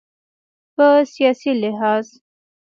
په سیاسي لحاظ